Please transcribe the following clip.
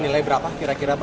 nilai berapa kira kira